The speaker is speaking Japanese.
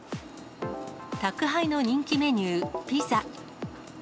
宅配の人気メニュー、ピザ。